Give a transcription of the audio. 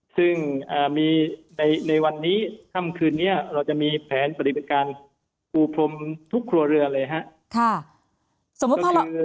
ซึ่งมีในวันนี้ค่ำคืนนี้เราจะมีแผนปฏิบัติการปูพรมทุกครัวเรือนเลยครับ